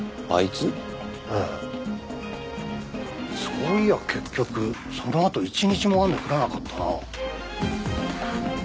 そういや結局そのあと一日も雨降らなかったな。